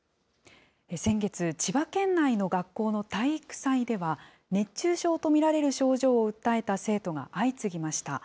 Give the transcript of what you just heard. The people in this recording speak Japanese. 先月、千葉県内の学校の体育祭では、熱中症と見られる症状を訴えた生徒が相次ぎました。